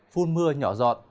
phun mưa nhỏ dọn